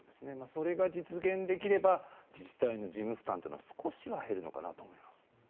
それが実現できれば自治体の事務負担は少しは減るのかなと思います。